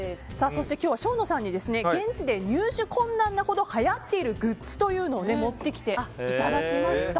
そして今日はＳＨＯＮＯさんに現地で入手困難なほどはやっているグッズを持ってきていただきました。